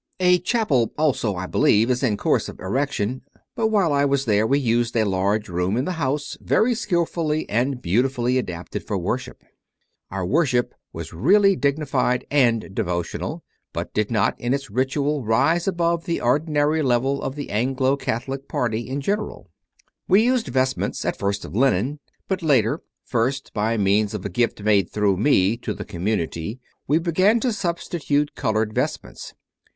A chapel also, I believe, is in course of erection; but while I was there we used a large room in the house, very skilfully and beautifully adapted for worship. Our worship was really digni fied and devotional, but did not in its ritual rise above the ordinary level of the Anglo Catholic party in general. We used vestments, at first of linen, but later, first by means of a gift made through me to the community, we began to substitute coloured vestments.